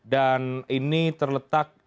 dan ini terletak